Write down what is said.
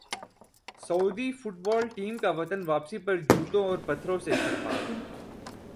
سعودی football team کا وطن واپسی پر جوتوں اور پتھروں سے استقبال